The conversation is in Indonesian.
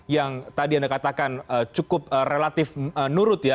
yang tadi anda katakan cukup relatif nurut ya